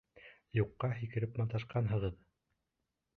Юҡҡа һикереп маташҡанһың.